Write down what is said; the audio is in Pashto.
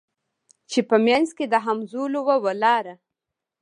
چي په منځ کي د همزولو وه ولاړه